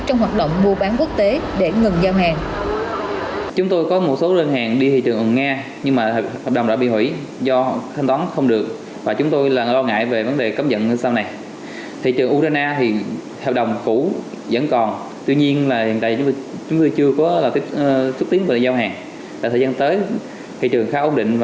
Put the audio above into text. trong hoạt động mua bán quốc tế để ngừng giao hàng